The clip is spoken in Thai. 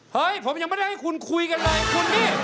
เฮ้ยผมยังไม่ได้ให้คุณคุยกันเลยคุณนี่